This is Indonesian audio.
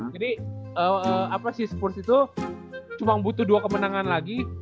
jadi apa sih spurs itu cuma butuh dua kemenangan lagi